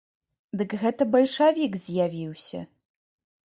Дык гэта бальшавік з'явіўся!